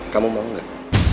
kamu mau gak